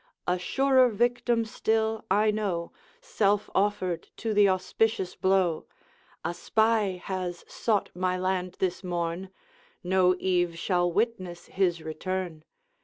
A surer victim still I know, Self offered to the auspicious blow: A spy has sought my land this morn, No eve shall witness his return!